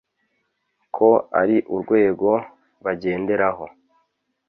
Ko ari urwego bagenderaho